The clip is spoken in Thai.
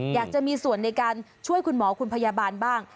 อยากจะมีส่วนในการช่วยคุณหมอคุณพยาบาลบ้าง